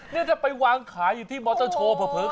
นี่ถ้าไปวางขายอยู่ที่มอเตอร์โชว์เผลอ